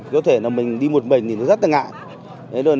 có thể mình đi một mình thì rất là ngại